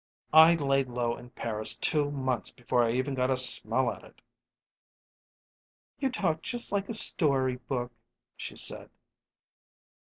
I laid low in Paris two months before I even got a smell at it." "You talk just like a story book," she said.